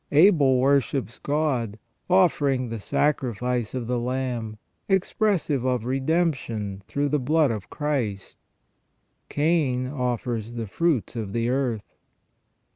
Abel worships God, offering the sacrifice of the lamb, expressive of redemption through the blood of Christ ; Cain offers but the fruits of the earth.